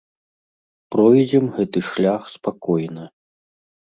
Пройдзем гэты шлях спакойна.